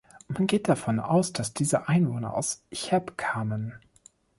Man geht davon aus, dass diese Einwohner aus Cheb kamen.